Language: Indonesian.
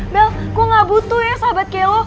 bel gue gak butuh ya sahabat kayak lo